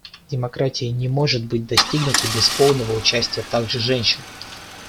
Демократия не может быть достигнута без полного участия также женщин.